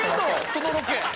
そのロケ。